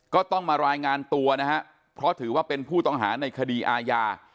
ก็ต้องมารายงานตัวนะฮะเพราะถือว่าเป็นผู้ต้องหาในคดีอาญา